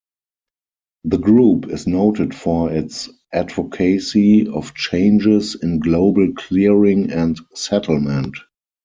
The group is noted for its advocacy of changes in global clearing and settlement.